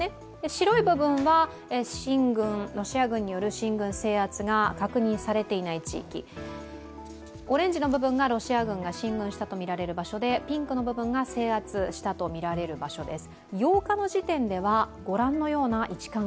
白い部分がロシア軍による進軍制圧が確認されていない地域オレンジの部分がロシア軍が進軍したとみられる場所でピンクが制圧したとされる場所です。